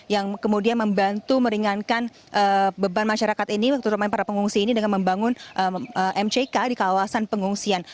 yang kemudian membantu meringankan beban masyarakat ini terutama para pengungsi ini dengan membangun mck di kawasan pengungsian